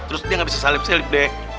terus dia gak bisa salip salip deh